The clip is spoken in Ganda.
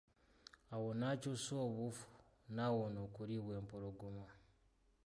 Awo n'akyusa obuufu n'awona okuliibwa empologoma.